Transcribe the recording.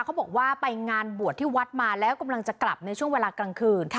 เขาบอกว่าไปงานบวชที่วัดมาแล้วกำลังจะกลับในช่วงเวลากลางคืน